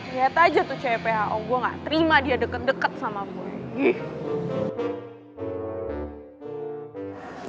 lihat aja tuh cewek pho gue gak terima dia deket deket sama aku